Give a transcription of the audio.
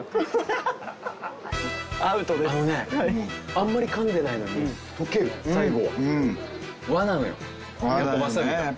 あんまりかんでないのに溶ける最後。